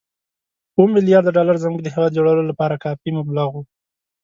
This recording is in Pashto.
اووه ملیارده ډالر زموږ د هېواد جوړولو لپاره کافي مبلغ وو.